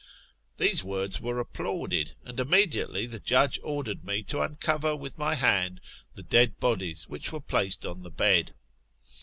These words were applauded; and immediately the judge ordered me to uncover, with my hand, the dead bodies 40 TH£ MXTAMORPHOSISy OR which were placed on the bed.